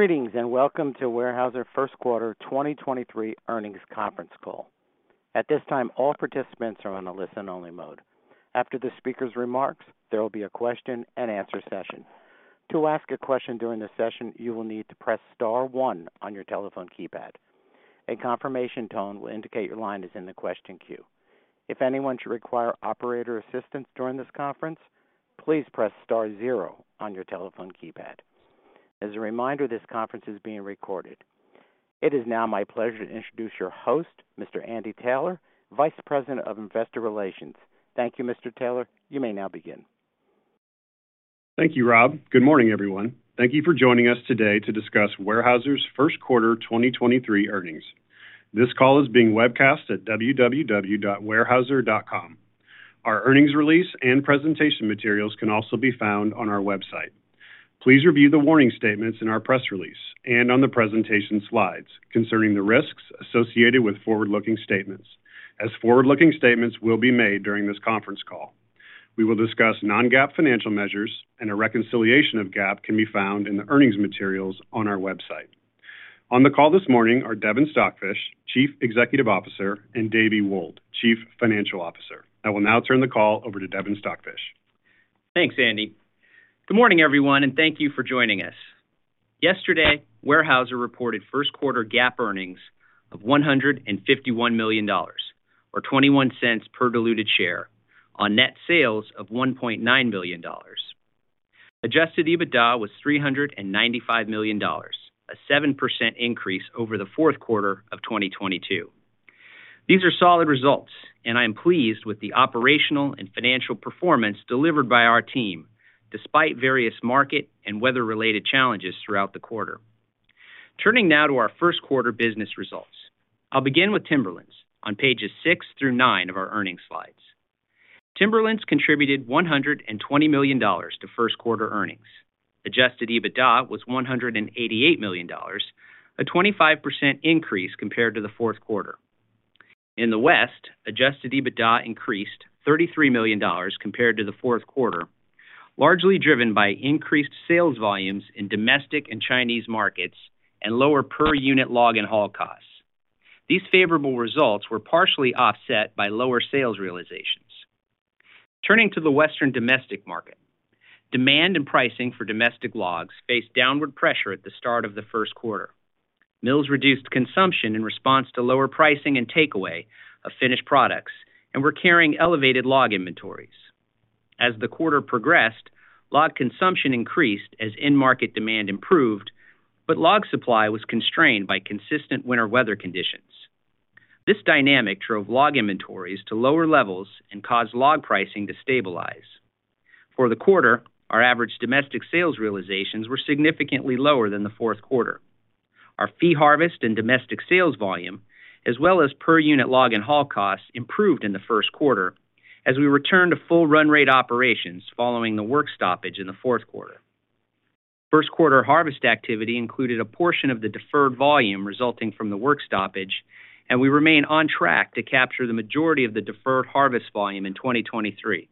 Greetings, welcome to Weyerhaeuser first quarter 2023 earnings conference call. At this time, all participants are on a listen only mode. After the speaker's remarks, there will be a question and answer session. To ask a question during the session, you will need to press star one on your telephone keypad. A confirmation tone will indicate your line is in the question queue. If anyone should require operator assistance during this conference, please press star zero on your telephone keypad. As a reminder, this conference is being recorded. It is now my pleasure to introduce your host, Mr. Andy Taylor, Vice President of Investor Relations. Thank you, Mr. Taylor. You may now begin. Thank you, Rob. Good morning, everyone. Thank you for joining us today to discuss Weyerhaeuser's first quarter 2023 earnings. This call is being webcast at www.weyerhaeuser.com. Our earnings release and presentation materials can also be found on our website. Please review the warning statements in our press release and on the presentation slides concerning the risks associated with forward-looking statements. As forward-looking statements will be made during this conference call, we will discuss non-GAAP financial measures and a reconciliation of GAAP can be found in the earnings materials on our website. On the call this morning are Devin Stockfish, Chief Executive Officer, and Davey Wold, Chief Financial Officer. I will now turn the call over to Devin Stockfish. Thanks, Andy. Good morning, everyone, thank you for joining us. Yesterday, Weyerhaeuser reported first quarter GAAP earnings of $151 million, or $0.21 per diluted share on net sales of $1.9 billion. Adjusted EBITDA was $395 million, a 7% increase over the fourth quarter of 2022. These are solid results I am pleased with the operational and financial performance delivered by our team, despite various market and weather-related challenges throughout the quarter. Turning now to our first quarter business results. I'll begin with Timberlands on pages 6 through 9 of our earnings slides. Timberlands contributed $120 million to first quarter earnings. Adjusted EBITDA was $188 million, a 25% increase compared to the fourth quarter. In the West, Adjusted EBITDA increased $33 million compared to the fourth quarter, largely driven by increased sales volumes in domestic and Chinese markets and lower per unit log and haul costs. These favorable results were partially offset by lower sales realizations. Turning to the Western domestic market, demand and pricing for domestic logs faced downward pressure at the start of the first quarter. Mills reduced consumption in response to lower pricing and takeaway of finished products and were carrying elevated log inventories. As the quarter progressed, log consumption increased as end market demand improved, but log supply was constrained by consistent winter weather conditions. This dynamic drove log inventories to lower levels and caused log pricing to stabilize. For the quarter, our average domestic sales realizations were significantly lower than the fourth quarter. Our fee harvest and domestic sales volume, as well as per unit log and haul costs, improved in the first quarter as we returned to full run rate operations following the work stoppage in the fourth quarter. First quarter harvest activity included a portion of the deferred volume resulting from the work stoppage. We remain on track to capture the majority of the deferred harvest volume in 2023.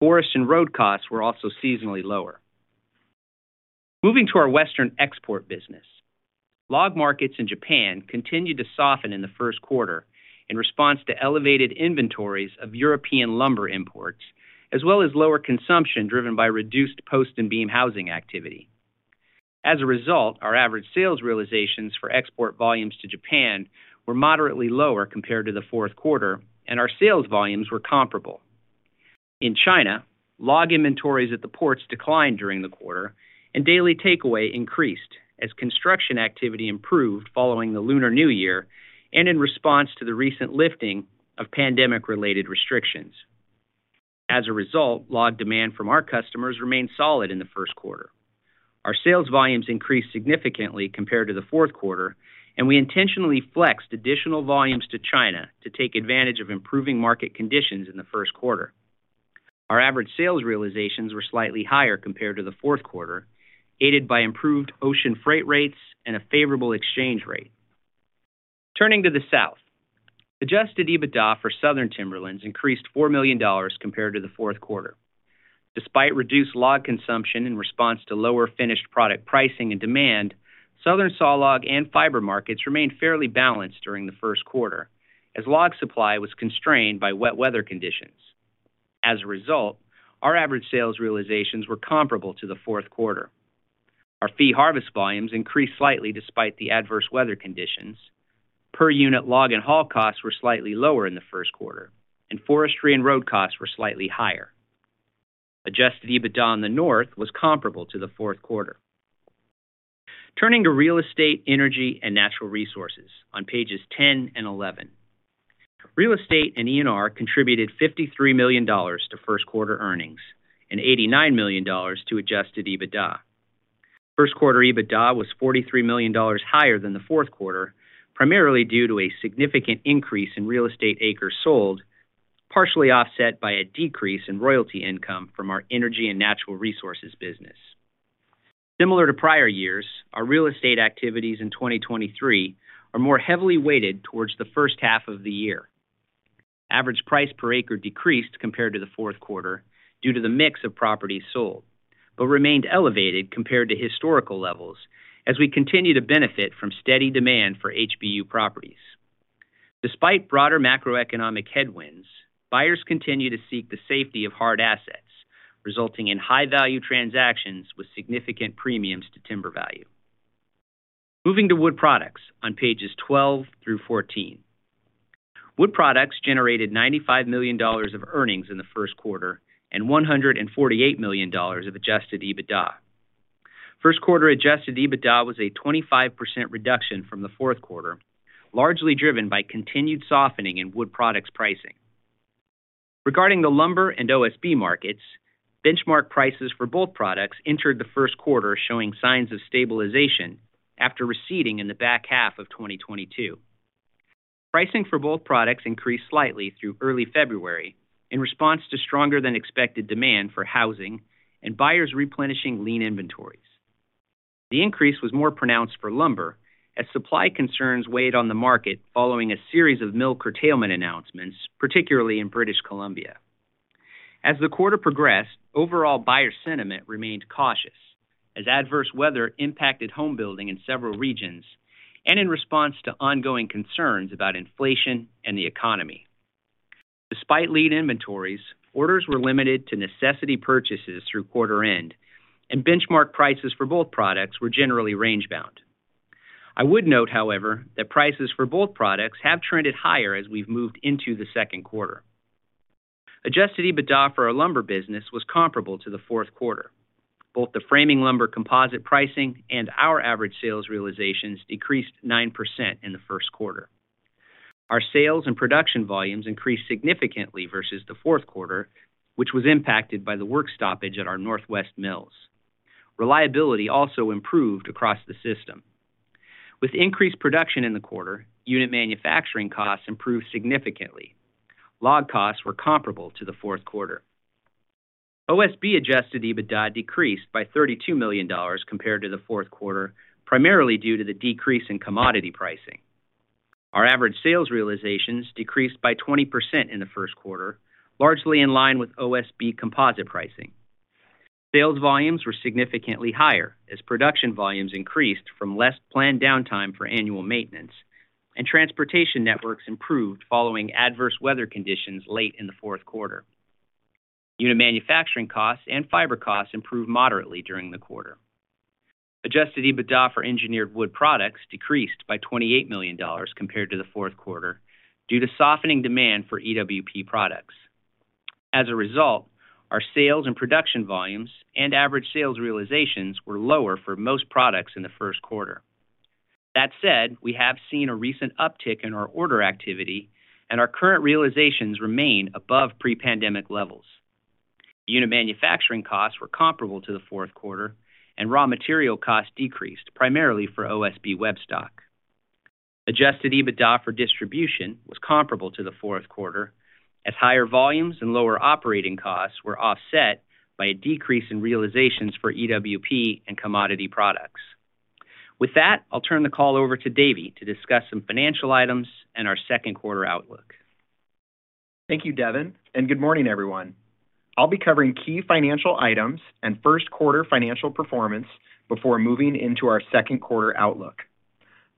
Forest and road costs were also seasonally lower. Moving to our Western export business. Log markets in Japan continued to soften in the first quarter in response to elevated inventories of European lumber imports, as well as lower consumption driven by reduced post and beam housing activity. As a result, our average sales realizations for export volumes to Japan were moderately lower compared to the fourth quarter. Our sales volumes were comparable. In China, log inventories at the ports declined during the quarter and daily takeaway increased as construction activity improved following the Lunar New Year and in response to the recent lifting of pandemic-related restrictions. As a result, log demand from our customers remained solid in the first quarter. Our sales volumes increased significantly compared to the fourth quarter, and we intentionally flexed additional volumes to China to take advantage of improving market conditions in the first quarter. Our average sales realizations were slightly higher compared to the fourth quarter, aided by improved ocean freight rates and a favorable exchange rate. Turning to the South. Adjusted EBITDA for Southern Timberlands increased $4 million compared to the fourth quarter. Despite reduced log consumption in response to lower finished product pricing and demand, Southern saw log and fiber markets remained fairly balanced during the first quarter as log supply was constrained by wet weather conditions. Our average sales realizations were comparable to the fourth quarter. Our fee harvest volumes increased slightly despite the adverse weather conditions. Per unit log and haul costs were slightly lower in the first quarter, and forestry and road costs were slightly higher. Adjusted EBITDA in the North was comparable to the fourth quarter. Turning to Real Estate, Energy and Natural Resources on pages 10 and 11. Real Estate and ENR contributed $53 million to first quarter earnings and $89 million to Adjusted EBITDA. First quarter EBITDA was $43 million higher than the fourth quarter, primarily due to a significant increase in Real Estate acres sold, partially offset by a decrease in royalty income from our Energy and Natural Resources business. Similar to prior years, our Real Estate activities in 2023 are more heavily weighted towards the first half of the year. Average price per acre decreased compared to the fourth quarter due to the mix of properties sold, but remained elevated compared to historical levels as we continue to benefit from steady demand for HBU properties. Despite broader macroeconomic headwinds, buyers continue to seek the safety of hard assets, resulting in high-value transactions with significant premiums to timber value. Moving to Wood Products on pages 12 through 14. Wood Products generated $95 million of earnings in the first quarter and $148 million of Adjusted EBITDA. First quarter Adjusted EBITDA was a 25% reduction from the fourth quarter, largely driven by continued softening in Wood Products pricing. Regarding the lumber and OSB markets, benchmark prices for both products entered the first quarter showing signs of stabilization after receding in the back half of 2022. Pricing for both products increased slightly through early February in response to stronger than expected demand for housing and buyers replenishing lean inventories. The increase was more pronounced for lumber as supply concerns weighed on the market following a series of mill curtailment announcements, particularly in British Columbia. The quarter progressed, overall buyer sentiment remained cautious as adverse weather impacted home building in several regions and in response to ongoing concerns about inflation and the economy. Despite lead inventories, orders were limited to necessity purchases through quarter end, benchmark prices for both products were generally range-bound. I would note, however, that prices for both products have trended higher as we've moved into the second quarter. Adjusted EBITDA for our lumber business was comparable to the fourth quarter. Both the framing lumber composite pricing and our average sales realizations decreased 9% in the first quarter. Our sales and production volumes increased significantly versus the fourth quarter, which was impacted by the work stoppage at our Northwest mills. Reliability also improved across the system. With increased production in the quarter, unit manufacturing costs improved significantly. Log costs were comparable to the fourth quarter. OSB Adjusted EBITDA decreased by $32 million compared to the fourth quarter, primarily due to the decrease in commodity pricing. Our average sales realizations decreased by 20% in the first quarter, largely in line with OSB composite pricing. Sales volumes were significantly higher as production volumes increased from less planned downtime for annual maintenance, transportation networks improved following adverse weather conditions late in the fourth quarter. Unit manufacturing costs and fiber costs improved moderately during the quarter. Adjusted EBITDA for engineered wood products decreased by $28 million compared to the fourth quarter due to softening demand for EWP products. As a result, our sales and production volumes and average sales realizations were lower for most products in the first quarter. That said, we have seen a recent uptick in our order activity and our current realizations remain above pre-pandemic levels. Unit manufacturing costs were comparable to the fourth quarter and raw material costs decreased primarily for OSB web stock. Adjusted EBITDA for distribution was comparable to the fourth quarter as higher volumes and lower operating costs were offset by a decrease in realizations for EWP and commodity products. I'll turn the call over to Davey to discuss some financial items and our second quarter outlook. Thank you, Devin, and good morning, everyone. I'll be covering key financial items and first quarter financial performance before moving into our second quarter outlook.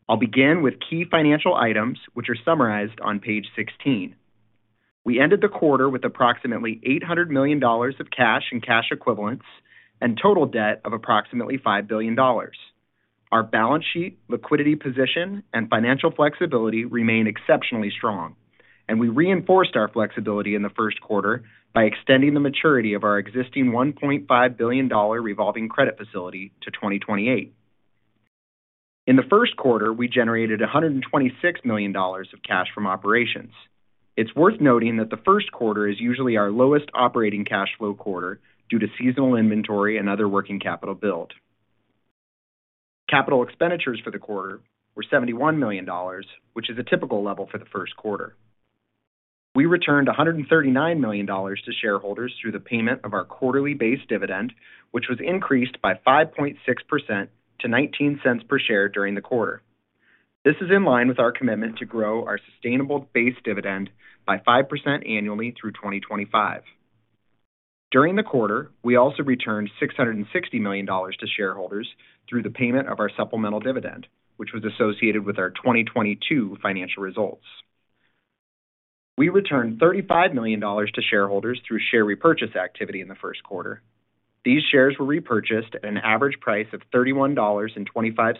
I'll begin with key financial items, which are summarized on page 16. We ended the quarter with approximately $800 million of cash and cash equivalents and total debt of approximately $5 billion. Our balance sheet, liquidity position, and financial flexibility remain exceptionally strong, and we reinforced our flexibility in the first quarter by extending the maturity of our existing $1.5 billion revolving credit facility to 2028. In the first quarter, we generated $126 million of cash from operations. It's worth noting that the first quarter is usually our lowest operating cash flow quarter due to seasonal inventory and other working capital build. Capital expenditures for the quarter were $71 million, which is a typical level for the first quarter. We returned $139 million to shareholders through the payment of our quarterly base dividend, which was increased by 5.6% to $0.19 per share during the quarter. This is in line with our commitment to grow our sustainable base dividend by 5% annually through 2025. During the quarter, we also returned $660 million to shareholders through the payment of our supplemental dividend, which was associated with our 2022 financial results. We returned $35 million to shareholders through share repurchase activity in the first quarter. These shares were repurchased at an average price of $31.25,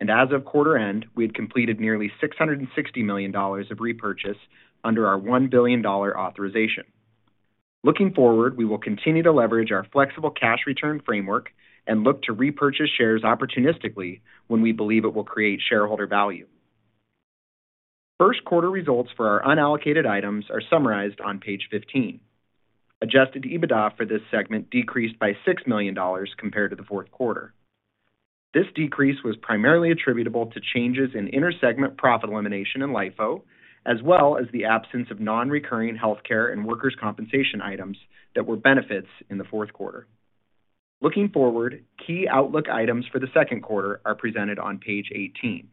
and as of quarter end, we had completed nearly $660 million of repurchase under our $1 billion authorization. Looking forward, we will continue to leverage our flexible cash return framework and look to repurchase shares opportunistically when we believe it will create shareholder value. First quarter results for our unallocated items are summarized on page 15. Adjusted EBITDA for this segment decreased by $6 million compared to the fourth quarter. This decrease was primarily attributable to changes in inter-segment profit elimination in LIFO, as well as the absence of non-recurring healthcare and workers' compensation items that were benefits in the fourth quarter. Looking forward, key outlook items for the second quarter are presented on page 18.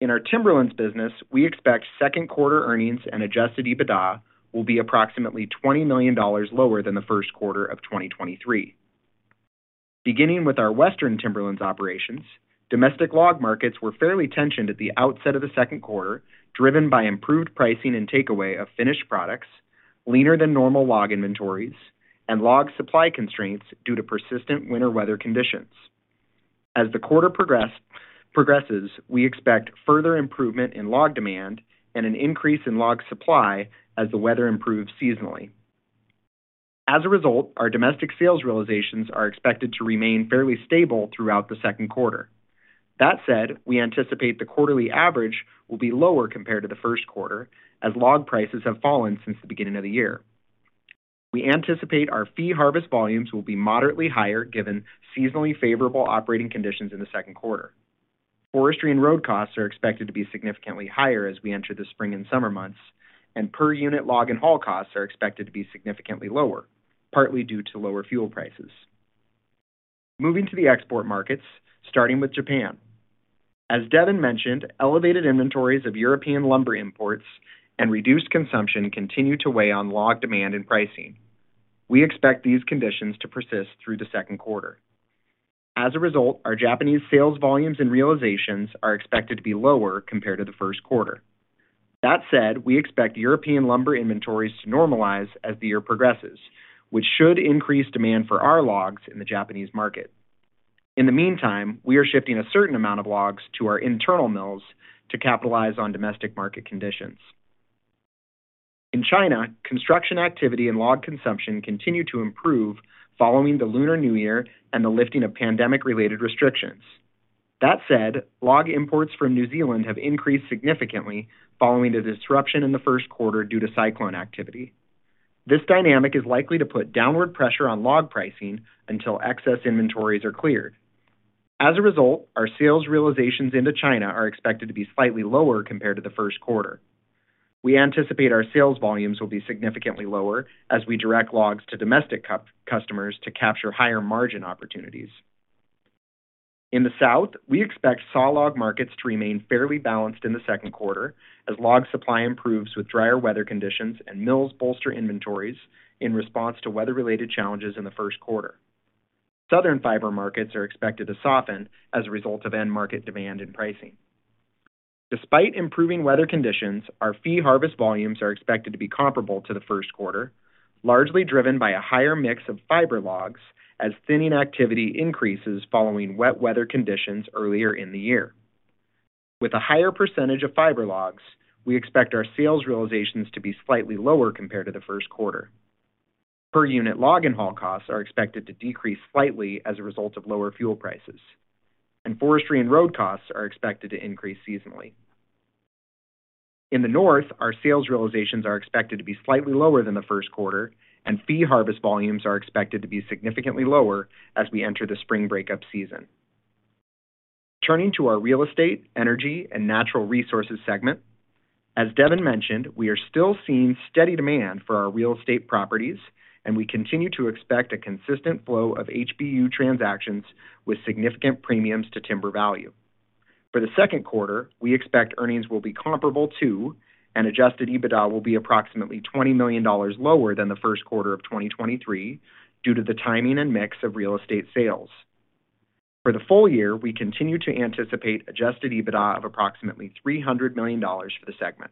In our Timberlands business, we expect second quarter earnings and Adjusted EBITDA will be approximately $20 million lower than the first quarter of 2023. Beginning with our Western Timberlands operations, domestic log markets were fairly tensioned at the outset of the second quarter, driven by improved pricing and takeaway of finished products, leaner than normal log inventories, and log supply constraints due to persistent winter weather conditions. As the quarter progresses, we expect further improvement in log demand and an increase in log supply as the weather improves seasonally. As a result, our domestic sales realizations are expected to remain fairly stable throughout the second quarter. That said, we anticipate the quarterly average will be lower compared to the first quarter as log prices have fallen since the beginning of the year. We anticipate our fee harvest volumes will be moderately higher given seasonally favorable operating conditions in the second quarter. Forestry and road costs are expected to be significantly higher as we enter the spring and summer months, and per unit log and haul costs are expected to be significantly lower, partly due to lower fuel prices. Moving to the export markets, starting with Japan. As Devin mentioned, elevated inventories of European lumber imports and reduced consumption continue to weigh on log demand and pricing. We expect these conditions to persist through the second quarter. As a result, our Japanese sales volumes and realizations are expected to be lower compared to the first quarter. That said, we expect European lumber inventories to normalize as the year progresses, which should increase demand for our logs in the Japanese market. In the meantime, we are shifting a certain amount of logs to our internal mills to capitalize on domestic market conditions. In China, construction activity and log consumption continue to improve following the Lunar New Year and the lifting of pandemic-related restrictions. That said, log imports from New Zealand have increased significantly following the disruption in the first quarter due to cyclone activity. This dynamic is likely to put downward pressure on log pricing until excess inventories are cleared. As a result, our sales realizations into China are expected to be slightly lower compared to the first quarter. We anticipate our sales volumes will be significantly lower as we direct logs to domestic customers to capture higher margin opportunities. In the South, we expect sawlog markets to remain fairly balanced in the second quarter as log supply improves with drier weather conditions and mills bolster inventories in response to weather-related challenges in the first quarter. Southern fiber markets are expected to soften as a result of end market demand and pricing. Despite improving weather conditions, our fee harvest volumes are expected to be comparable to the first quarter, largely driven by a higher mix of fiber logs as thinning activity increases following wet weather conditions earlier in the year. With a higher percentage of fiber logs, we expect our sales realizations to be slightly lower compared to the first quarter. Per unit log and haul costs are expected to decrease slightly as a result of lower fuel prices, and forestry and road costs are expected to increase seasonally. In the North, our sales realizations are expected to be slightly lower than the first quarter, and fee harvest volumes are expected to be significantly lower as we enter the spring breakup season. Turning to our Real Estate, Energy and Natural Resources segment. As Devin mentioned, we are still seeing steady demand for our real estate properties, and we continue to expect a consistent flow of HBU transactions with significant premiums to timber value. For the second quarter, we expect earnings will be comparable to, and Adjusted EBITDA will be approximately $20 million lower than the first quarter of 2023 due to the timing and mix of real estate sales. For the full year, we continue to anticipate Adjusted EBITDA of approximately $300 million for the segment.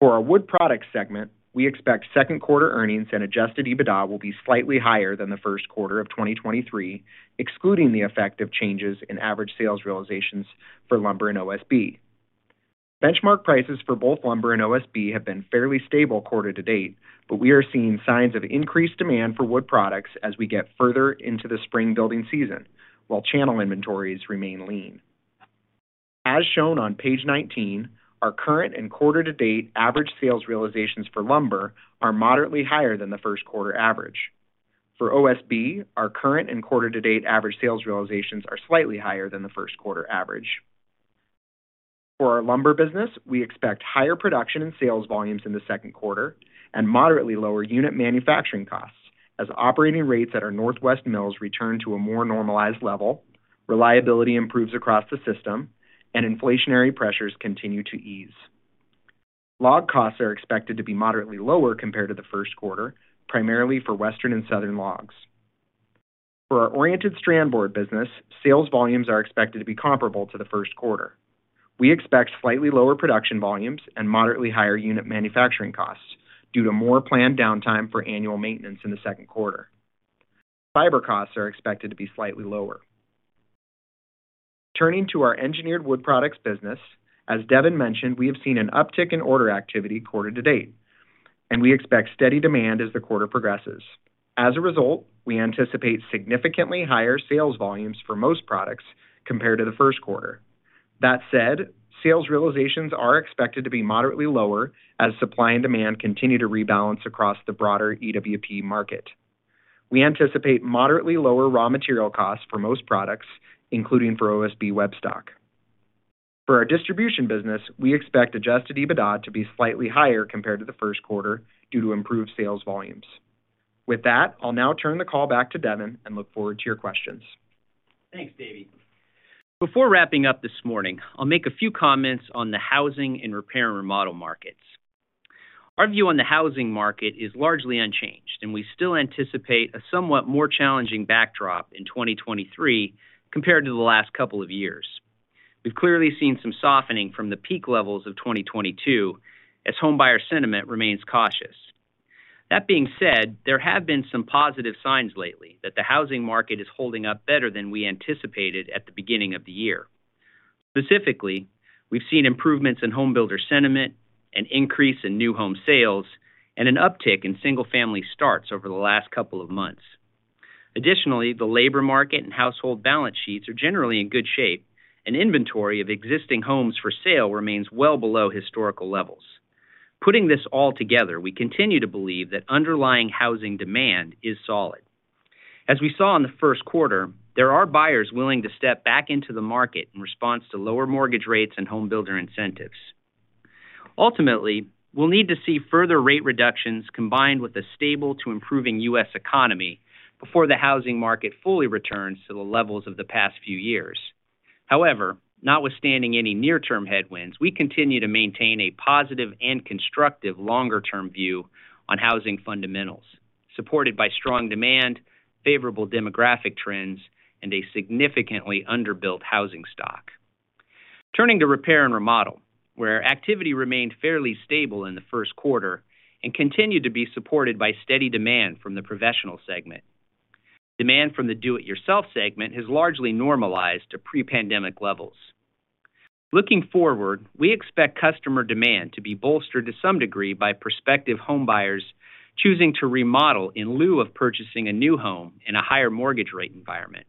For our Wood Products segment, we expect second quarter earnings and Adjusted EBITDA will be slightly higher than the first quarter of 2023, excluding the effect of changes in average sales realizations for lumber and OSB. Benchmark prices for both lumber and OSB have been fairly stable quarter-to-date, but we are seeing signs of increased demand for wood products as we get further into the spring building season, while channel inventories remain lean. As shown on page 19, our current and quarter-to-date average sales realizations for lumber are moderately higher than the first quarter average. For OSB, our current and quarter-to-date average sales realizations are slightly higher than the first quarter average. For our lumber business, we expect higher production and sales volumes in the second quarter and moderately lower unit manufacturing costs as operating rates at our Northwest mills return to a more normalized level, reliability improves across the system, and inflationary pressures continue to ease. Log costs are expected to be moderately lower compared to the first quarter, primarily for Western and Southern logs. For our oriented strand board business, sales volumes are expected to be comparable to the first quarter. We expect slightly lower production volumes and moderately higher unit manufacturing costs due to more planned downtime for annual maintenance in the second quarter. Fiber costs are expected to be slightly lower. Turning to our engineered wood products business. As Devin mentioned, we have seen an uptick in order activity quarter-to-date, and we expect steady demand as the quarter progresses. As a result, we anticipate significantly higher sales volumes for most products compared to the first quarter. Sales realizations are expected to be moderately lower as supply and demand continue to rebalance across the broader EWP market. We anticipate moderately lower raw material costs for most products, including for OSB web stock. For our distribution business, we expect adjusted EBITDA to be slightly higher compared to the first quarter due to improved sales volumes. With that, I'll now turn the call back to Devin and look forward to your questions. Thanks, Davey. Before wrapping up this morning, I'll make a few comments on the housing and repair and remodel markets. Our view on the housing market is largely unchanged. We still anticipate a somewhat more challenging backdrop in 2023 compared to the last couple of years. We've clearly seen some softening from the peak levels of 2022 as home buyer sentiment remains cautious. That being said, there have been some positive signs lately that the housing market is holding up better than we anticipated at the beginning of the year. Specifically, we've seen improvements in home builder sentiment, an increase in new home sales, and an uptick in single-family starts over the last couple of months. Additionally, the labor market and household balance sheets are generally in good shape. Inventory of existing homes for sale remains well below historical levels. Putting this all together, we continue to believe that underlying housing demand is solid. As we saw in the first quarter, there are buyers willing to step back into the market in response to lower mortgage rates and home builder incentives. Ultimately, we'll need to see further rate reductions combined with a stable to improving U.S. economy before the housing market fully returns to the levels of the past few years. Notwithstanding any near-term headwinds, we continue to maintain a positive and constructive longer-term view on housing fundamentals, supported by strong demand, favorable demographic trends, and a significantly under-built housing stock. Turning to repair and remodel, where activity remained fairly stable in the first quarter and continued to be supported by steady demand from the professional segment. Demand from the do-it-yourself segment has largely normalized to pre-pandemic levels. Looking forward, we expect customer demand to be bolstered to some degree by prospective home buyers choosing to remodel in lieu of purchasing a new home in a higher mortgage rate environment.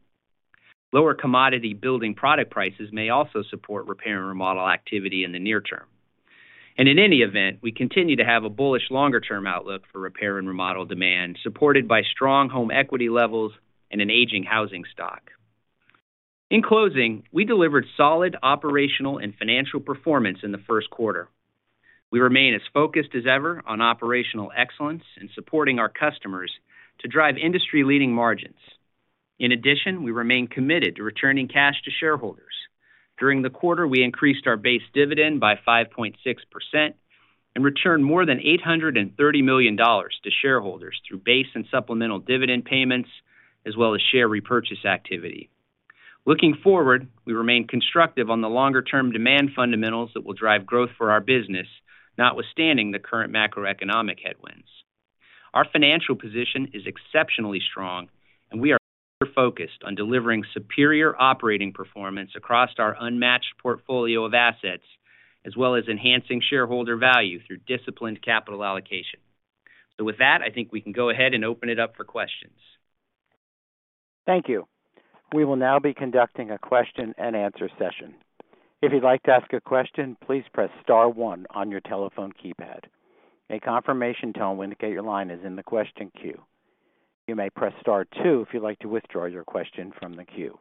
Lower commodity building product prices may also support repair and remodel activity in the near term. In any event, we continue to have a bullish longer-term outlook for repair and remodel demand, supported by strong home equity levels and an aging housing stock. In closing, we delivered solid operational and financial performance in the first quarter. We remain as focused as ever on operational excellence and supporting our customers to drive industry-leading margins. We remain committed to returning cash to shareholders. During the quarter, we increased our base dividend by 5.6% and returned more than $830 million to shareholders through base and supplemental dividend payments as well as share repurchase activity. Looking forward, we remain constructive on the longer-term demand fundamentals that will drive growth for our business, notwithstanding the current macroeconomic headwinds. Our financial position is exceptionally strong and we are focused on delivering superior operating performance across our unmatched portfolio of assets as well as enhancing shareholder value through disciplined capital allocation. With that, I think we can go ahead and open it up for questions. Thank you. We will now be conducting a question and answer session. If you'd like to ask a question, please press star one on your telephone keypad. A confirmation tone will indicate your line is in the question queue. You may press star two if you'd like to withdraw your question from the queue.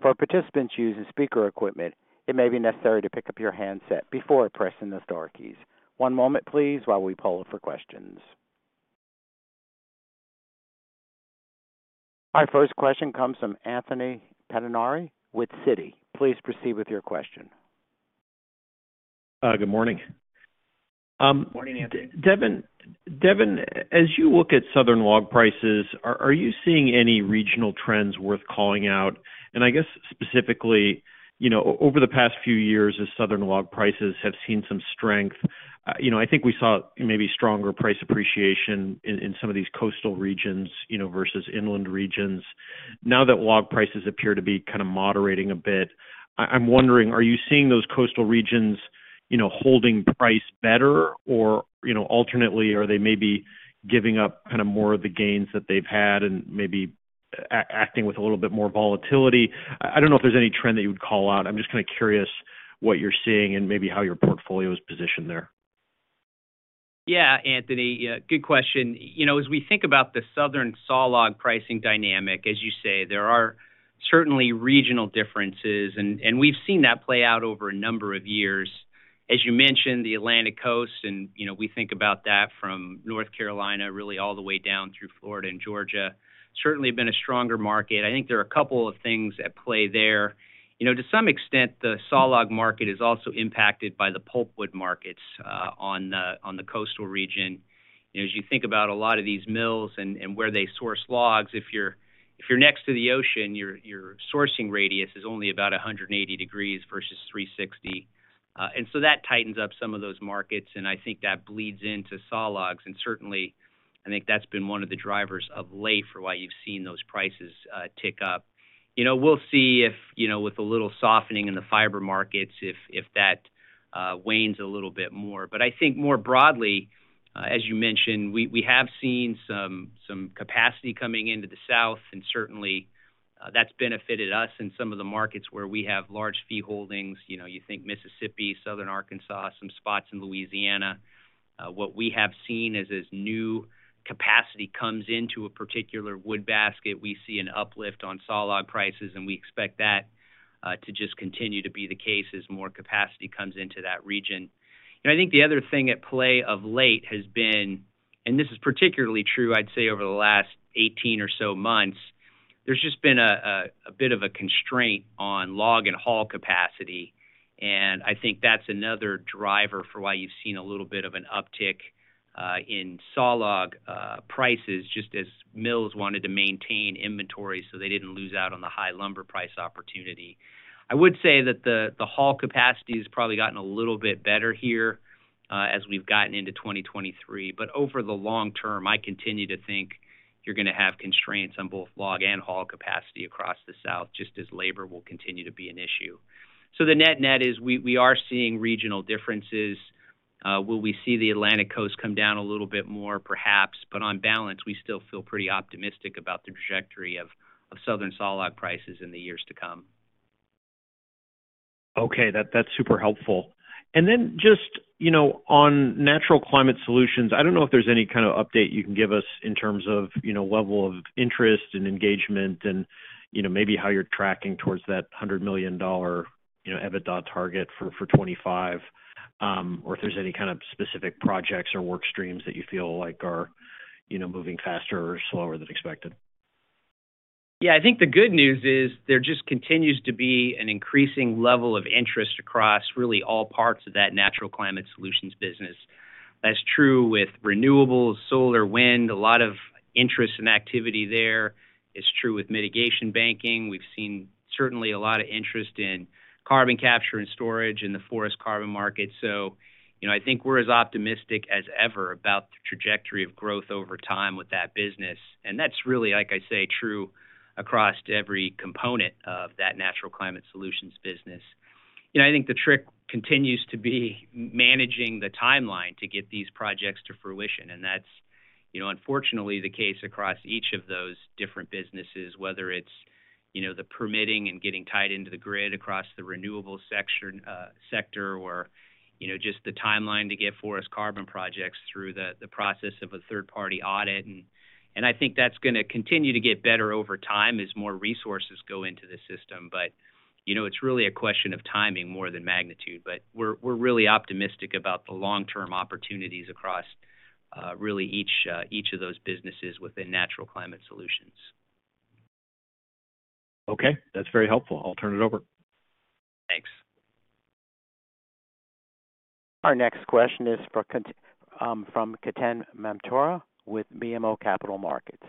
For participants using speaker equipment, it may be necessary to pick up your handset before pressing the star keys. One moment, please, while we poll for questions. Our first question comes from Anthony Pettinari with Citi. Please proceed with your question. Good morning. Morning, Anthony. Devin, as you look at southern log prices, are you seeing any regional trends worth calling out? I guess specifically, you know, over the past few years as southern log prices have seen some strength, you know, I think we saw maybe stronger price appreciation in some of these coastal regions, you know, versus inland regions. Now that log prices appear to be kind of moderating a bit, I'm wondering, are you seeing those coastal regions, you know, holding price better? Or, you know, alternately, are they maybe giving up kinda more of the gains that they've had and maybe acting with a little bit more volatility? I don't know if there's any trend that you would call out. I'm just kinda curious what you're seeing and maybe how your portfolio is positioned there. Anthony, good question. You know, as we think about the southern saw log pricing dynamic, as you say, there are certainly regional differences and we've seen that play out over a number of years. As you mentioned, the Atlantic Coast and, you know, we think about that from North Carolina really all the way down through Florida and Georgia, certainly been a stronger market. I think there are a couple of things at play there. You know, to some extent, the saw log market is also impacted by the pulpwood markets on the coastal region. As you think about a lot of these mills and where they source logs, if you're next to the ocean, your sourcing radius is only about 180 degrees versus 360. That tightens up some of those markets, and I think that bleeds into saw logs. Certainly, I think that's been one of the drivers of late for why you've seen those prices tick up. You know, we'll see if, you know, with a little softening in the fiber markets, if that wanes a little bit more. I think more broadly, as you mentioned, we have seen some capacity coming into the South, and certainly, that's benefited us in some of the markets where we have large fee holdings. You know, you think Mississippi, Southern Arkansas, some spots in Louisiana. What we have seen as this new capacity comes into a particular wood basket, we see an uplift on saw log prices, and we expect that to just continue to be the case as more capacity comes into that region. I think the other thing at play of late has been, and this is particularly true, I'd say, over the last 18 or so months. There's just been a bit of a constraint on log and haul capacity, and I think that's another driver for why you've seen a little bit of an uptick in sawlog prices just as mills wanted to maintain inventory so they didn't lose out on the high lumber price opportunity. I would say that the haul capacity has probably gotten a little bit better here as we've gotten into 2023. Over the long term, I continue to think you're gonna have constraints on both log and haul capacity across the South, just as labor will continue to be an issue. The net-net is we are seeing regional differences. Will we see the Atlantic Coast come down a little bit more? Perhaps. On balance, we still feel pretty optimistic about the trajectory of southern sawlog prices in the years to come. Okay. That's super helpful. Then just, you know, on Natural Climate Solutions, I don't know if there's any kind of update you can give us in terms of, you know, level of interest and engagement and, you know, maybe how you're tracking towards that $100 million, you know, EBITDA target for 2025, or if there's any kind of specific projects or work streams that you feel like are, you know, moving faster or slower than expected. Yeah. I think the good news is there just continues to be an increasing level of interest across really all parts of that Natural Climate Solutions business. That's true with renewables, solar, wind, a lot of interest and activity there. It's true with mitigation banking. We've seen certainly a lot of interest in carbon capture and storage in the forest carbon market. You know, I think we're as optimistic as ever about the trajectory of growth over time with that business, and that's really, like I say, true across every component of that Natural Climate Solutions business. You know, I think the trick continues to be managing the timeline to get these projects to fruition. That's, you know, unfortunately the case across each of those different businesses, whether it's, you know, the permitting and getting tied into the grid across the renewable sector or, you know, just the timeline to get forest carbon projects through the process of a third-party audit. I think that's gonna continue to get better over time as more resources go into the system. You know, it's really a question of timing more than magnitude. We're, we're really optimistic about the long-term opportunities across really each of those businesses within Natural Climate Solutions. Okay. That's very helpful. I'll turn it over. Thanks. Our next question is from Ketan Mamtora with BMO Capital Markets.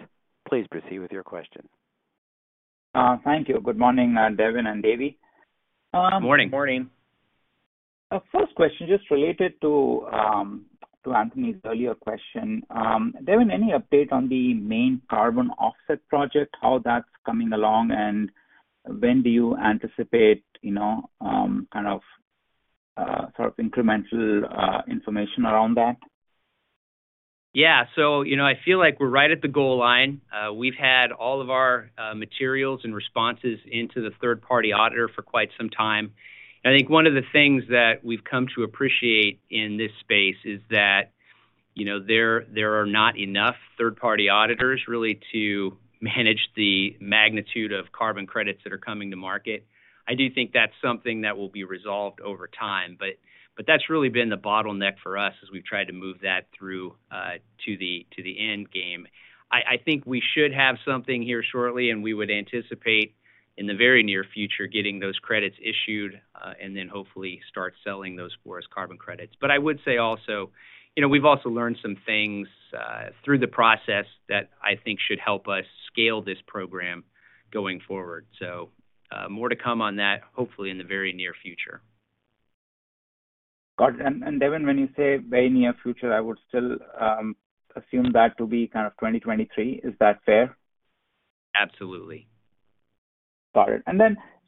Please proceed with your question. Thank you. Good morning, Devin and Davey. Morning. Morning. First question, just related to Anthony's earlier question. Devin, any update on the Maine carbon offset project, how that's coming along, and when do you anticipate, you know, kind of, sort of incremental, information around that? You know, I feel like we're right at the goal line. We've had all of our materials and responses into the third-party auditor for quite some time. I think one of the things that we've come to appreciate in this space is that, you know, there are not enough third-party auditors really to manage the magnitude of carbon credits that are coming to market. I do think that's something that will be resolved over time, but that's really been the bottleneck for us as we've tried to move that through to the end game. I think we should have something here shortly, and we would anticipate in the very near future getting those credits issued, and then hopefully start selling those forest carbon credits. I would say also, you know, we've also learned some things through the process that I think should help us scale this program going forward. More to come on that, hopefully in the very near future. Got it. Devin, when you say very near future, I would still assume that to be kind of 2023. Is that fair? Absolutely. Got it.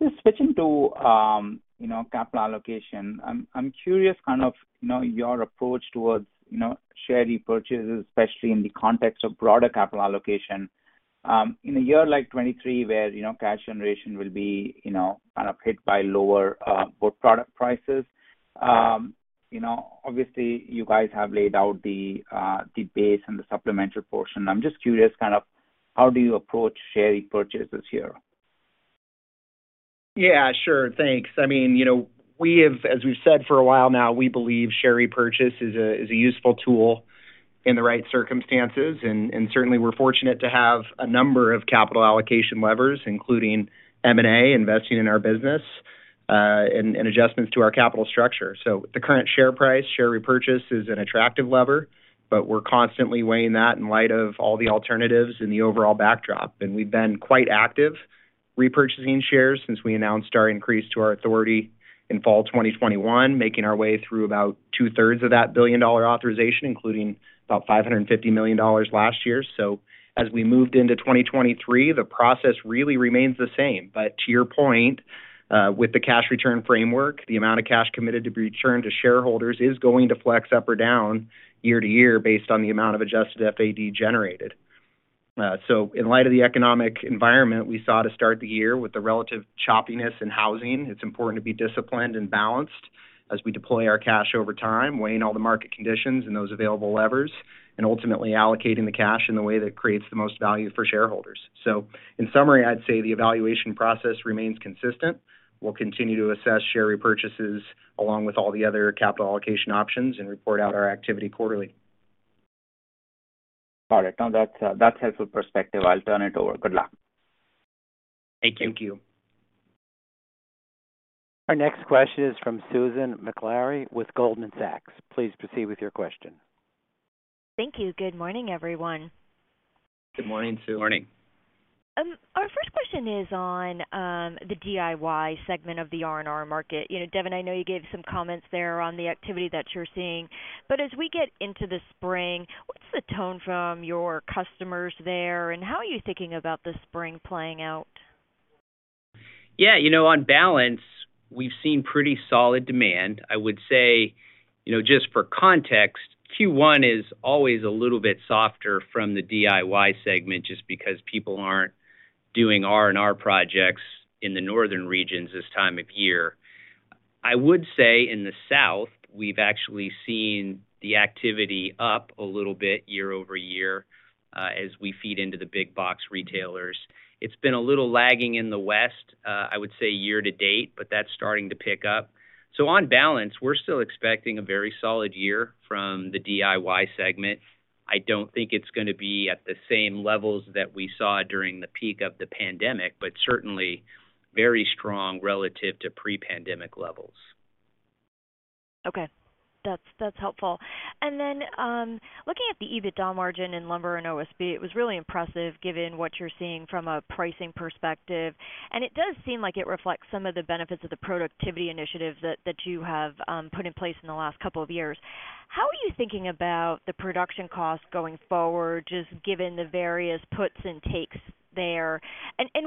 Just switching to, you know, capital allocation. I'm curious kind of, you know, your approach towards, you know, share repurchases, especially in the context of broader capital allocation. In a year like 2023 where, you know, cash generation will be, you know, kind of hit by lower wood product prices. You know, obviously, you guys have laid out the base and the supplementary portion. I'm just curious, kind of how do you approach share repurchases here? Yeah, sure. Thanks. I mean, you know, as we've said for a while now, we believe share repurchase is a useful tool in the right circumstances. Certainly, we're fortunate to have a number of capital allocation levers, including M&A, investing in our business, and adjustments to our capital structure. At the current share price, share repurchase is an attractive lever, but we're constantly weighing that in light of all the alternatives and the overall backdrop. We've been quite active repurchasing shares since we announced our increase to our authority in fall 2021, making our way through about two-thirds of that billion-dollar authorization, including about $550 million last year. As we moved into 2023, the process really remains the same. To your point, with the cash return framework, the amount of cash committed to be returned to shareholders is going to flex up or down year-to-year based on the amount of Adjusted FAD generated. In light of the economic environment, we saw to start the year with the relative choppiness in housing. It's important to be disciplined and balanced as we deploy our cash over time, weighing all the market conditions and those available levers, and ultimately allocating the cash in the way that creates the most value for shareholders. In summary, I'd say the evaluation process remains consistent. We'll continue to assess share repurchases along with all the other capital allocation options and report out our activity quarterly. All right. No, that's that's helpful perspective. I'll turn it over. Good luck. Thank you. Thank you. Our next question is from Susan Maklari with Goldman Sachs. Please proceed with your question. Thank you. Good morning, everyone. Good morning, Sue. Morning. Our first question is on, the DIY segment of the R&R market. You know, Devin, I know you gave some comments there on the activity that you're seeing, as we get into the spring, what's the tone from your customers there, and how are you thinking about the spring playing out? Yeah. You know, on balance, we've seen pretty solid demand. I would say, you know, just for context, Q1 is always a little bit softer from the DIY segment just because people aren't doing R&R projects in the northern regions this time of year. I would say in the south, we've actually seen the activity up a little bit year-over-year, as we feed into the big box retailers. It's been a little lagging in the west, I would say year-to-date, but that's starting to pick up. On balance, we're still expecting a very solid year from the DIY segment. I don't think it's gonna be at the same levels that we saw during the peak of the pandemic, but certainly very strong relative to pre-pandemic levels. Okay. That's helpful. Looking at the EBITDA margin in lumber and OSB, it was really impressive given what you're seeing from a pricing perspective. It does seem like it reflects some of the benefits of the productivity initiatives that you have put in place in the last couple of years. How are you thinking about the production costs going forward, just given the various puts and takes there?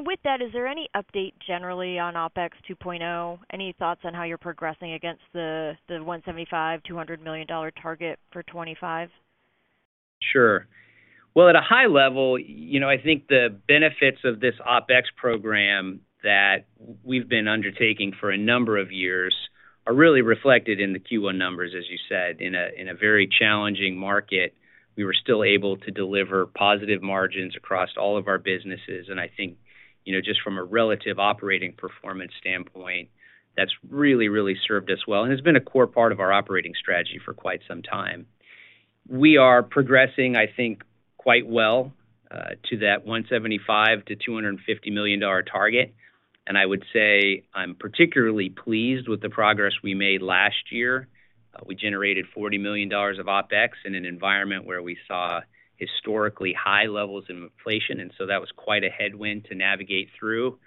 With that, is there any update generally on OpEx 2.0? Any thoughts on how you're progressing against the $175 million-$200 million target for 2025? Sure. Well, at a high level, you know, I think the benefits of this OpEx program that we've been undertaking for a number of years are really reflected in the Q1 numbers, as you said. In a very challenging market, we were still able to deliver positive margins across all of our businesses. I think, you know, just from a relative operating performance standpoint, that's really, really served us well, and it's been a core part of our operating strategy for quite some time. We are progressing, I think, quite well to that $175 million-$250 million target. I would say I'm particularly pleased with the progress we made last year. We generated $40 million of OpEx in an environment where we saw historically high levels of inflation, and so that was quite a headwind to navigate through.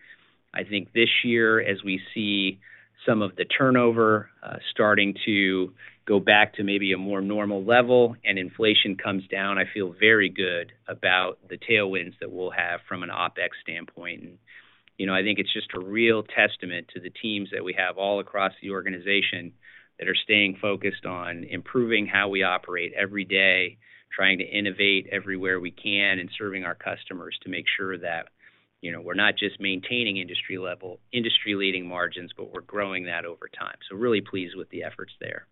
I think this year, as we see some of the turnover, starting to go back to maybe a more normal level and inflation comes down, I feel very good about the tailwinds that we'll have from an OpEx standpoint. You know, I think it's just a real testament to the teams that we have all across the organization that are staying focused on improving how we operate every day, trying to innovate everywhere we can, and serving our customers to make sure that, you know, we're not just maintaining industry-leading margins, but we're growing that over time. Really pleased with the efforts there.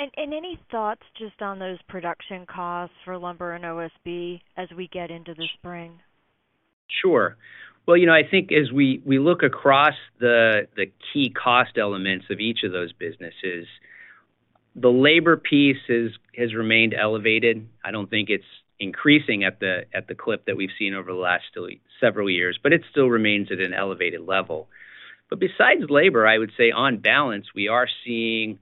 Any thoughts just on those production costs for lumber and OSB as we get into the spring? Sure. Well, you know, I think as we look across the key cost elements of each of those businesses, the labor piece has remained elevated. I don't think it's increasing at the clip that we've seen over the last several years, but it still remains at an elevated level. Besides labor, I would say on balance, we are seeing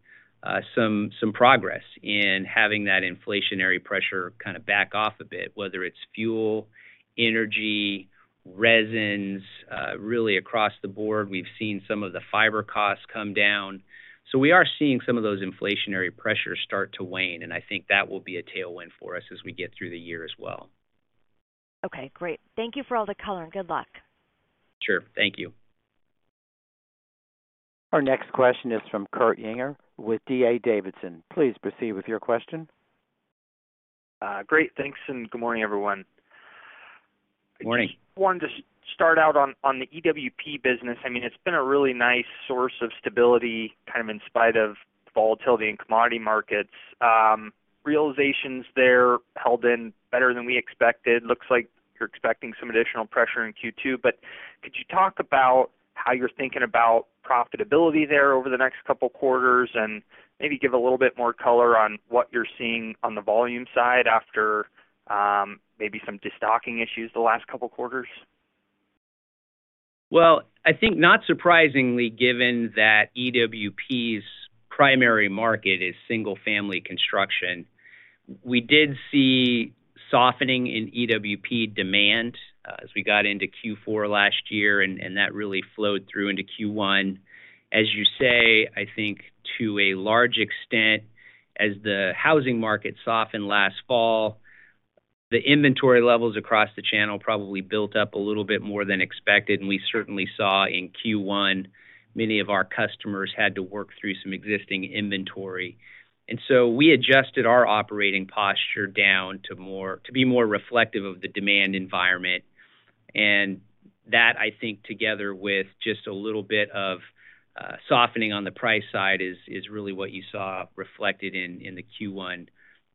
some progress in having that inflationary pressure kind of back off a bit, whether it's fuel, energy, resins, really across the board. We've seen some of the fiber costs come down. We are seeing some of those inflationary pressures start to wane, and I think that will be a tailwind for us as we get through the year as well. Okay, great. Thank you for all the color, and good luck. Sure. Thank you. Our next question is from Kurt Yinger with D.A. Davidson. Please proceed with your question. Great. Thanks. Good morning, everyone. Morning. Wanted to start out on the EWP business. I mean, it's been a really nice source of stability kind of in spite of volatility in commodity markets. Realizations there held in better than we expected. Looks like you're expecting some additional pressure in Q2, but could you talk about how you're thinking about profitability there over the next couple quarters, and maybe give a little bit more color on what you're seeing on the volume side after maybe some destocking issues the last couple quarters? I think not surprisingly, given that EWP's primary market is single-family construction, we did see softening in EWP demand as we got into Q4 last year. That really flowed through into Q1. As you say, I think to a large extent, as the housing market softened last fall, the inventory levels across the channel probably built up a little bit more than expected, and we certainly saw in Q1 many of our customers had to work through some existing inventory. We adjusted our operating posture down to be more reflective of the demand environment. That, I think, together with just a little bit of softening on the price side is really what you saw reflected in the Q1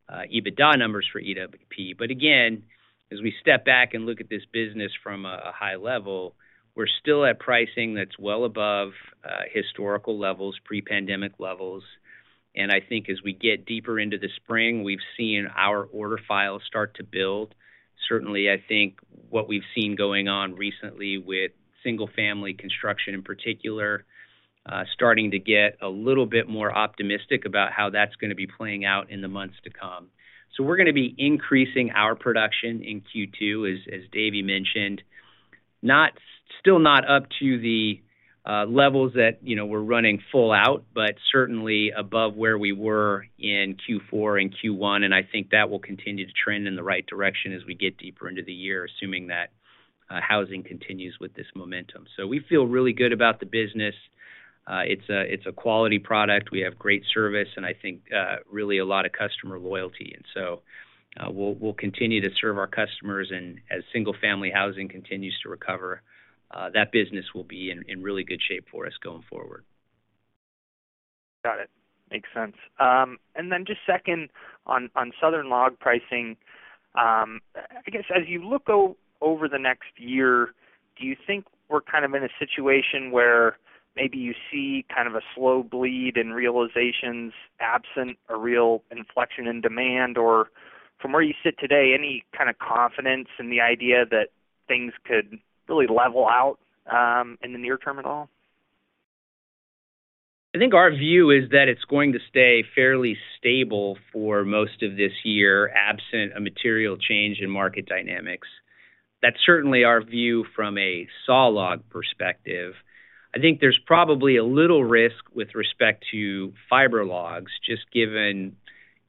EBITDA numbers for EWP. Again, as we step back and look at this business from a high level, we're still at pricing that's well above historical levels, pre-pandemic levels. I think as we get deeper into the spring, we've seen our order files start to build. Certainly, I think what we've seen going on recently with single-family construction in particular, starting to get a little bit more optimistic about how that's gonna be playing out in the months to come. We're gonna be increasing our production in Q2, as Davey mentioned. Still not up to the levels that, you know, we're running full out, but certainly above where we were in Q4 and Q1, and I think that will continue to trend in the right direction as we get deeper into the year, assuming that housing continues with this momentum. We feel really good about the business. it's a quality product. We have great service and I think really a lot of customer loyalty. we'll continue to serve our customers and as single-family housing continues to recover, that business will be in really good shape for us going forward. Got it. Makes sense. Just second on southern log pricing. I guess as you look over the next year, do you think we're kind of in a situation where maybe you see kind of a slow bleed in realizations absent a real inflection in demand? Or from where you sit today, any kind of confidence in the idea that things could really level out in the near term at all? I think our view is that it's going to stay fairly stable for most of this year, absent a material change in market dynamics. That's certainly our view from a sawlog perspective. I think there's probably a little risk with respect to fiber logs, just given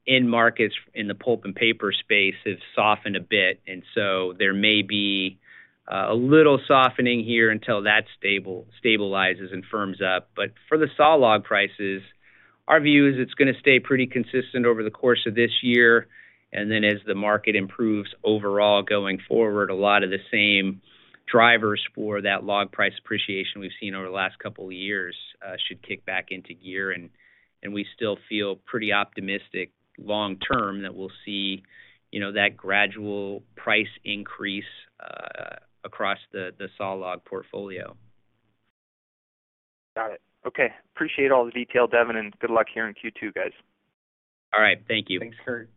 end markets in the pulp and paper space have softened a bit, and so there may be a little softening here until that stabilizes and firms up. For the sawlog prices, our view is it's gonna stay pretty consistent over the course of this year, and then as the market improves overall going forward, a lot of the same drivers for that log price appreciation we've seen over the last couple of years should kick back into gear. We still feel pretty optimistic long term that we'll see, you know, that gradual price increase across the sawlog portfolio. Got it. Okay. Appreciate all the detail, Devin, and good luck here in Q2, guys. All right. Thank you. Thanks, Kurt.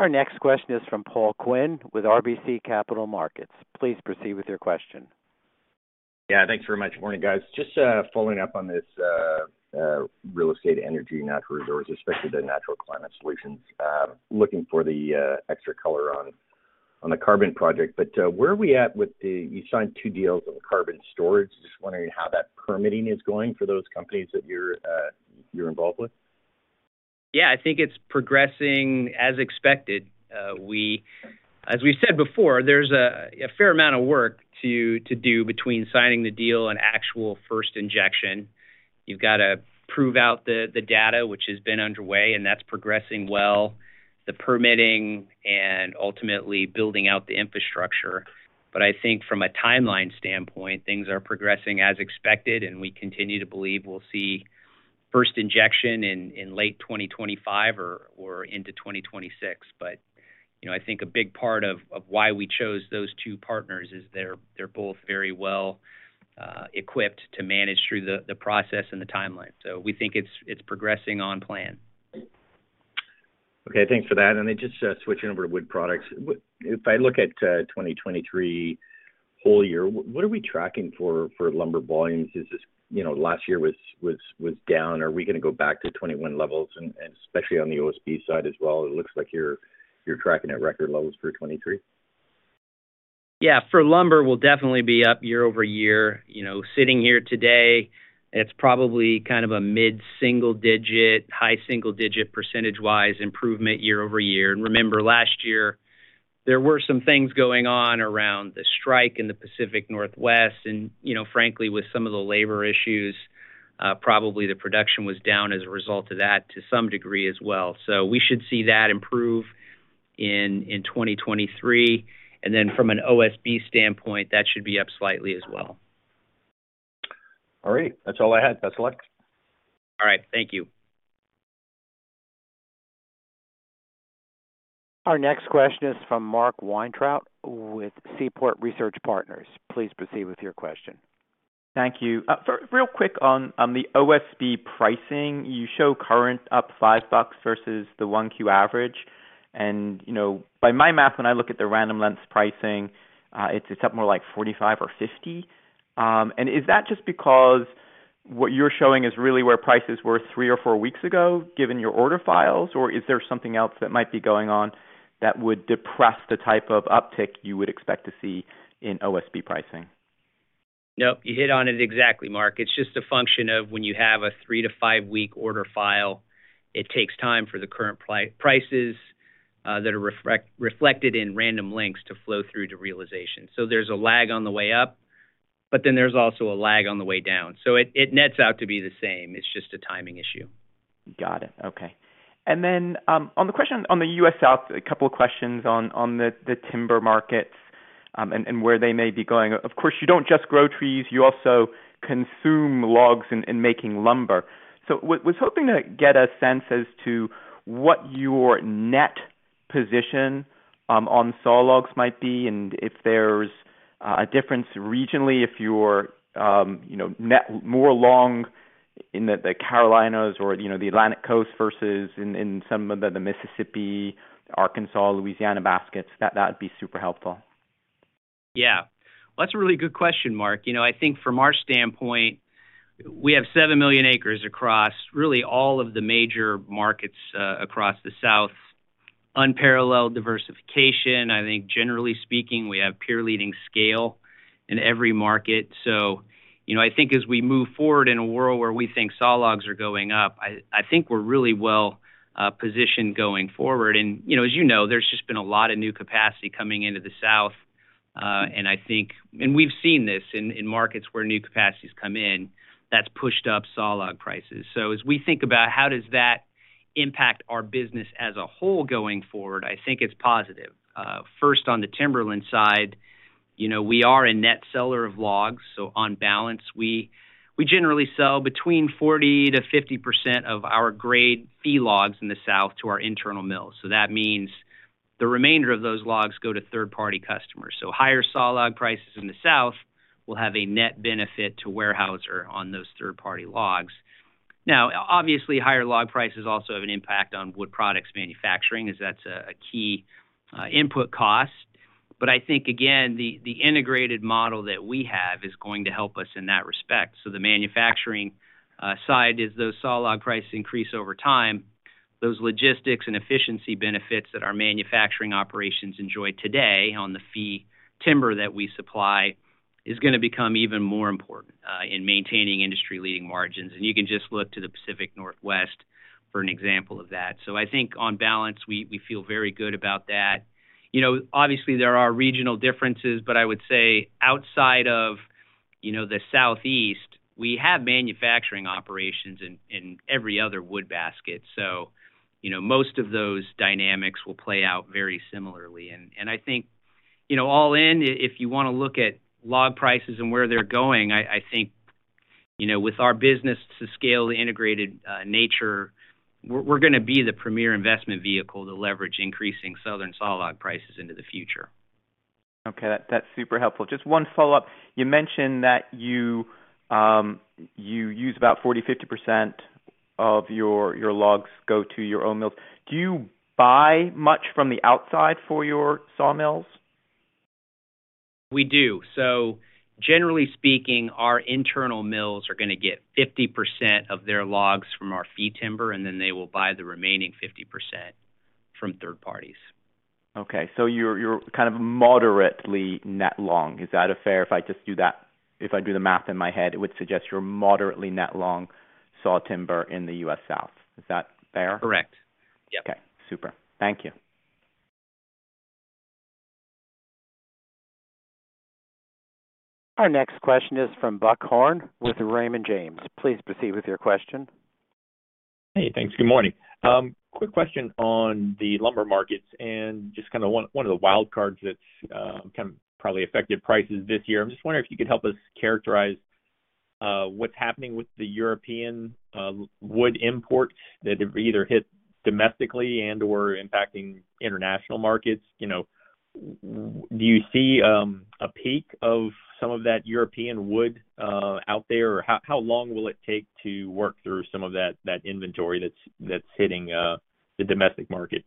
Our next question is from Paul Quinn with RBC Capital Markets. Please proceed with your question. Yeah, thanks very much. Morning, guys. Just following up on this Real Estate, Energy and Natural Resource, especially the Natural Climate Solutions, looking for the extra color on the carbon project. Where are we at with you signed two deals on the carbon storage? Just wondering how that permitting is going for those companies that you're involved with? Yeah, I think it's progressing as expected. As we said before, there's a fair amount of work to do between signing the deal and actual first injection. You've got to prove out the data which has been underway, and that's progressing well, the permitting and ultimately building out the infrastructure. I think from a timeline standpoint, things are progressing as expected, and we continue to believe we'll see first injection in late 2025 or into 2026. You know, I think a big part of why we chose those two partners is they're both very well equipped to manage through the process and the timeline. We think it's progressing on plan. Okay, thanks for that. Just switching over to Wood Products. If I look at 2023 whole year, what are we tracking for lumber volumes? Is this, you know, last year was down. Are we gonna go back to 2021 levels and especially on the OSB side as well? It looks like you're tracking at record levels for 2023. Yeah. For lumber, we'll definitely be up year-over-year. You know, sitting here today, it's probably kind of a mid-single digit, high single digit % improvement year-over-year. Remember, last year, there were some things going on around the strike in the Pacific Northwest. You know, frankly, with some of the labor issues, probably the production was down as a result of that to some degree as well. We should see that improve in 2023. From an OSB standpoint, that should be up slightly as well. All right. That's all I had. Best of luck. All right. Thank you. Our next question is from Mark Weintraub with Seaport Research Partners. Please proceed with your question. Thank you. Real quick on the OSB pricing. You show current up $5 versus the 1Q average. You know, by my math, when I look at the Random Lengths pricing, it's up more like $45 or $50. Is that just because what you're showing is really where prices were three or four weeks ago, given your order files, or is there something else that might be going on that would depress the type of uptick you would expect to see in OSB pricing? Nope, you hit on it exactly, Mark. It's just a function of when you have a three to five-week order file, it takes time for the current prices that are reflected in Random Lengths to flow through to realization. There's a lag on the way up, there's also a lag on the way down. It nets out to be the same. It's just a timing issue. Got it. Okay. Then, on the question on the U.S. South, a couple of questions on the timber markets. And where they may be going. Of course, you don't just grow trees, you also consume logs in making lumber. So was hoping to get a sense as to what your net position on saw logs might be, and if there's a difference regionally if you're, you know, net more along in the Carolinas or, you know, the Atlantic coast versus in some of the Mississippi, Arkansas, Louisiana baskets. That would be super helpful. Yeah. That's a really good question, Mark. You know, I think from our standpoint, we have 7 million acres across really all of the major markets across the South. Unparalleled diversification. I think generally speaking, we have peer leading scale in every market. You know, I think as we move forward in a world where we think saw logs are going up, I think we're really well positioned going forward. You know, as you know, there's just been a lot of new capacity coming into the South, and we've seen this in markets where new capacities come in, that's pushed up saw log prices. As we think about how does that impact our business as a whole going forward, I think it's positive. First on the Timberlands side, you know, we are a net seller of logs, on balance, we generally sell between 40%-50% of our grade fee logs in the South to our internal mills. That means the remainder of those logs go to third-party customers. Higher saw log prices in the South will have a net benefit to Weyerhaeuser on those third-party logs. Obviously, higher log prices also have an impact on Wood Products manufacturing, as that's a key input cost. I think, again, the integrated model that we have is going to help us in that respect. The manufacturing side, as those saw log prices increase over time, those logistics and efficiency benefits that our manufacturing operations enjoy today on the fee timber that we supply is gonna become even more important in maintaining industry-leading margins. You can just look to the Pacific Northwest for an example of that. I think on balance, we feel very good about that. You know, obviously there are regional differences, but I would say outside of, you know, the Southeast, we have manufacturing operations in every other wood basket. Most of those dynamics will play out very similarly. I think, you know, all in, if you wanna look at log prices and where they're going, I think, you know, with our business to scale the integrated nature, we're gonna be the premier investment vehicle to leverage increasing Southern saw log prices into the future. Okay. That's super helpful. Just one follow-up. You mentioned that you use about 40%, 50% of your logs go to your own mills. Do you buy much from the outside for your sawmills? We do. Generally speaking, our internal mills are gonna get 50% of their logs from our fee timber, and then they will buy the remaining 50% from third parties. Okay. You're kind of moderately net long. Is that fair if I just do that? If I do the math in my head, it would suggest you're moderately net long saw timber in the U.S. South. Is that fair? Correct. Yep. Okay. Super. Thank you. Our next question is from Buck Horne with Raymond James. Please proceed with your question. Hey, thanks. Good morning. Quick question on the lumber markets and just one of the wild cards that's kind of probably affected prices this year. I'm just wondering if you could help us characterize what's happening with the European wood imports that have either hit domestically and/or impacting international markets. You know, do you see a peak of some of that European wood out there? How long will it take to work through some of that inventory that's hitting the domestic market?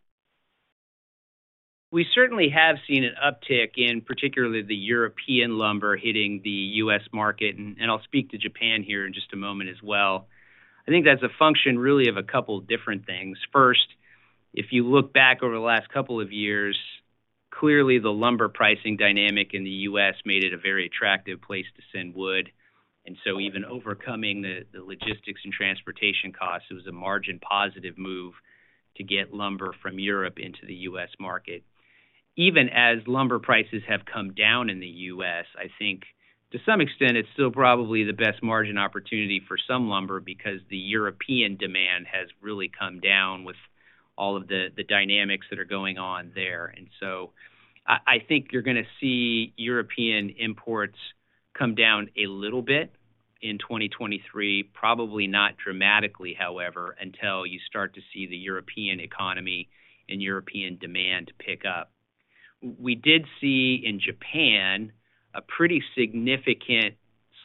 We certainly have seen an uptick in particularly the European lumber hitting the U.S. market, and I'll speak to Japan here in just a moment as well. I think that's a function really of a couple different things. First, if you look back over the last couple of years, clearly the lumber pricing dynamic in the U.S. made it a very attractive place to send wood. Even overcoming the logistics and transportation costs, it was a margin positive move to get lumber from Europe into the U.S. market. Even as lumber prices have come down in the U.S., I think to some extent it's still probably the best margin opportunity for some lumber because the European demand has really come down with all of the dynamics that are going on there. I think you're gonna see European imports come down a little bit in 2023. Probably not dramatically, however, until you start to see the European economy and European demand pick up. We did see in Japan a pretty significant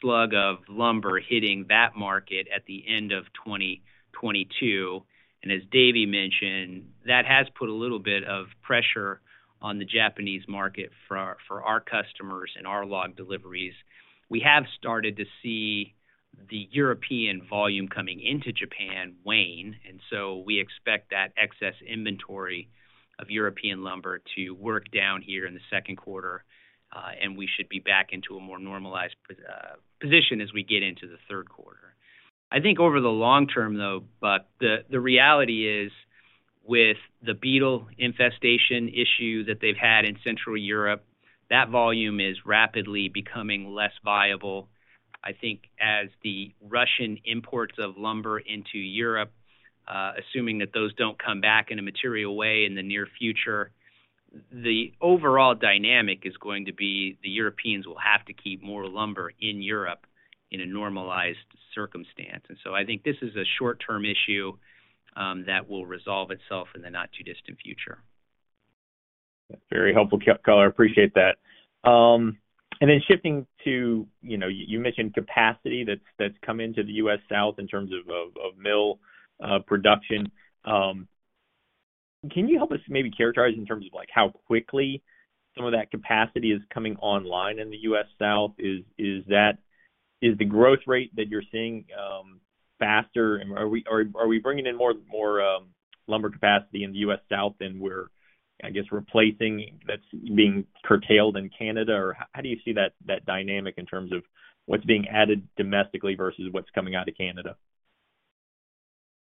slug of lumber hitting that market at the end of 2022, and as Davey mentioned, that has put a little bit of pressure on the Japanese market for our customers and our log deliveries. We have started to see the European volume coming into Japan wane, so we expect that excess inventory of European lumber to work down here in the second quarter, and we should be back into a more normalized position as we get into the third quarter. I think over the long term though, Buck, the reality is with the beetle infestation issue that they've had in Central Europe, that volume is rapidly becoming less viable. I think as the Russian imports of lumber into Europe, assuming that those don't come back in a material way in the near future, the overall dynamic is going to be the Europeans will have to keep more lumber in Europe in a normalized circumstance. I think this is a short-term issue that will resolve itself in the not-too-distant future. Very helpful, great color, appreciate that. Then shifting to, you know, you mentioned capacity that's come into the U.S. South in terms of mill production. Can you help us maybe characterize in terms of, like, how quickly some of that capacity is coming online in the U.S. South? Is the growth rate that you're seeing faster? Are we bringing in more lumber capacity in the U.S. South than we're, I guess, replacing that's being curtailed in Canada? How do you see that dynamic in terms of what's being added domestically versus what's coming out of Canada?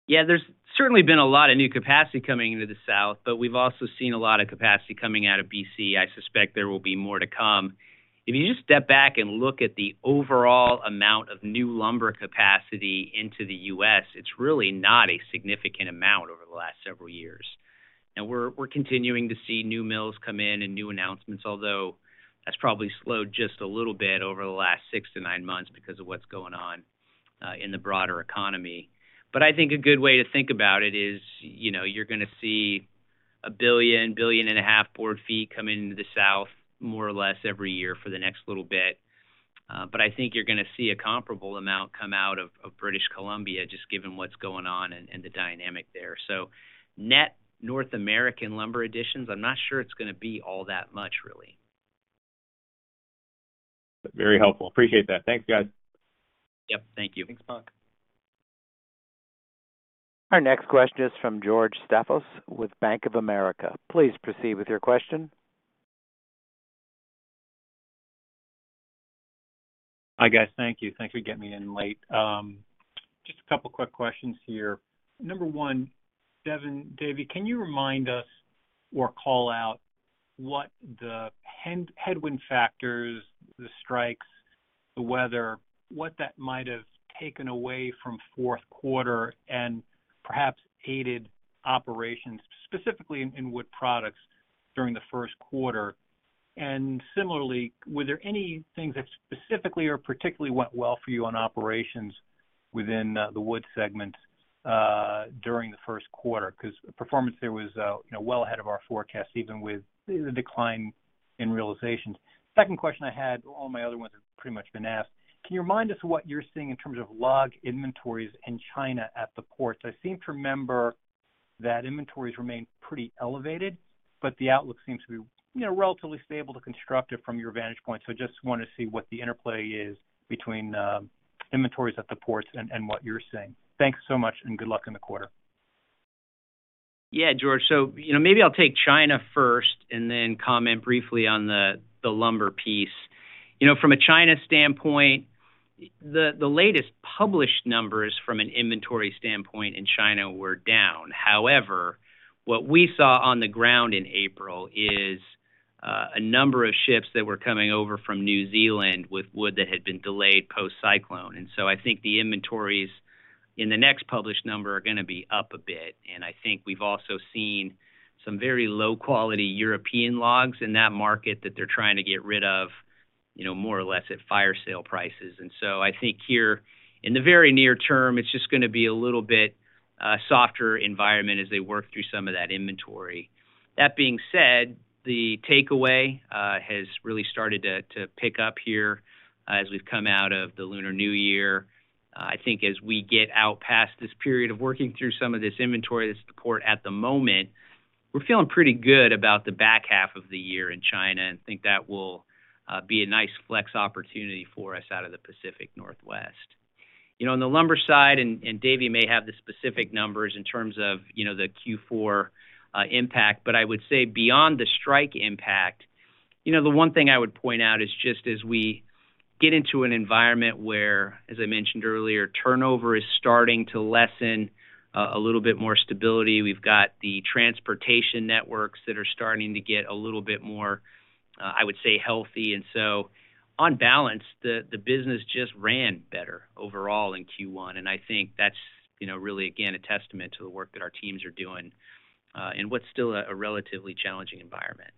Yeah. There's certainly been a lot of new capacity coming into the South, but we've also seen a lot of capacity coming out of BC. I suspect there will be more to come. If you just step back and look at the overall amount of new lumber capacity into the U.S., it's really not a significant amount over the last several years. We're continuing to see new mills come in and new announcements, although that's probably slowed just a little bit over the last six to nine months because of what's going on in the broader economy. I think a good way to think about it is, you know, you're gonna see 1.5 billion board feet come into the South more or less every year for the next little bit. I think you're gonna see a comparable amount come out of British Columbia just given what's going on and the dynamic there. So net North American lumber additions, I'm not sure it's gonna be all that much really. Very helpful. Appreciate that. Thanks, guys. Yep. Thank you. Thanks, Buck. Our next question is from George Staphos with Bank of America. Please proceed with your question. Hi, guys. Thank you. Thanks for getting me in late. Just a couple quick questions here. Number one, Devin, Davey, can you remind us or call out what the headwind factors, the strikes, the weather, what that might have taken away from fourth quarter and perhaps aided operations, specifically in Wood Products during the first quarter? Similarly, were there any things that specifically or particularly went well for you on operations within the Wood segment during the first quarter? 'Cause performance there was, you know, well ahead of our forecast, even with the decline in realizations. Second question I had, all my other ones have pretty much been asked. Can you remind us what you're seeing in terms of log inventories in China at the ports? I seem to remember that inventories remain pretty elevated. The outlook seems to be, you know, relatively stable to constructive from your vantage point. Just wanna see what the interplay is between inventories at the ports and what you're seeing. Thanks so much. Good luck in the quarter. Yeah, George. You know, maybe I'll take China first and then comment briefly on the lumber piece. You know, from a China standpoint, the latest published numbers from an inventory standpoint in China were down. However, what we saw on the ground in April is a number of ships that were coming over from New Zealand with wood that had been delayed post-cyclone. I think the inventories in the next published number are gonna be up a bit. I think we've also seen some very low-quality European logs in that market that they're trying to get rid of, you know, more or less at fire sale prices. I think here in the very near term, it's just gonna be a little bit softer environment as they work through some of that inventory. That being said, the takeaway has really started to pick up here as we've come out of the Lunar New Year. I think as we get out past this period of working through some of this inventory that's at port at the moment, we're feeling pretty good about the back half of the year in China and think that will be a nice flex opportunity for us out of the Pacific Northwest. You know, on the lumber side, and Davey may have the specific numbers in terms of, you know, the Q4 impact, but I would say beyond the strike impact, you know, the one thing I would point out is just as we get into an environment where, as I mentioned earlier, turnover is starting to lessen a little bit more stability. We've got the transportation networks that are starting to get a little bit more, I would say healthy. On balance, the business just ran better overall in Q1. I think that's, you know, really, again, a testament to the work that our teams are doing, in what's still a relatively challenging environment.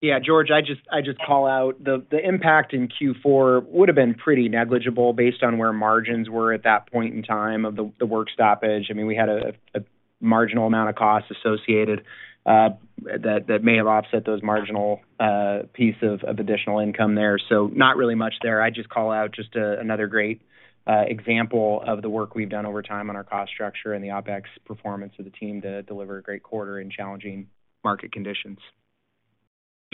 Yeah. George, I just call out the impact in Q4 would have been pretty negligible based on where margins were at that point in time of the work stoppage. I mean, we had a marginal amount of cost associated that may have offset those marginal piece of additional income there. Not really much there. I just call out just another great example of the work we've done over time on our cost structure and the OpEx performance of the team to deliver a great quarter in challenging market conditions.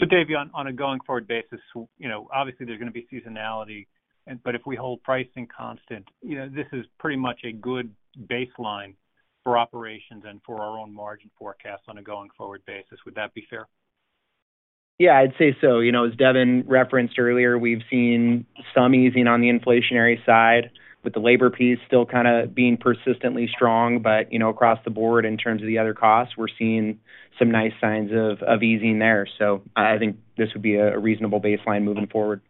Davey, on a going forward basis, you know, obviously there's gonna be seasonality and, but if we hold pricing constant, you know, this is pretty much a good baseline for operations and for our own margin forecast on a going forward basis. Would that be fair? Yeah, I'd say so. You know, as Devin referenced earlier, we've seen some easing on the inflationary side with the labor piece still kind of being persistently strong. You know, across the board in terms of the other costs, we're seeing some nice signs of easing there. I think this would be a reasonable baseline moving forward.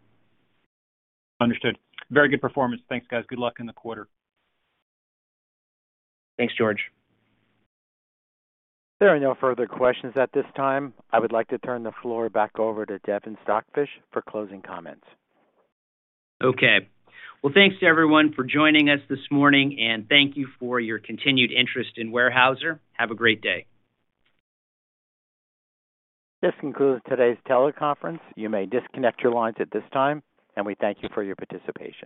Understood. Very good performance. Thanks, guys. Good luck in the quarter. Thanks, George. There are no further questions at this time. I would like to turn the floor back over to Devin Stockfish for closing comments. Okay. Well, thanks to everyone for joining us this morning, and thank you for your continued interest in Weyerhaeuser. Have a great day. This concludes today's teleconference. You may disconnect your lines at this time, and we thank you for your participation.